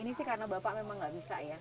ini sih karena bapak memang nggak bisa ya